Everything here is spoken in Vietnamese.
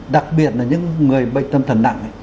đặc biệt là những người bệnh tâm thần nặng